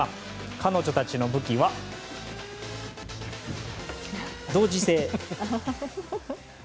彼女たちの武器は同時性。